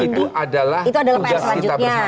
itu adalah tugas kita bersama